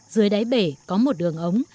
dưới đáy bể có một đường ống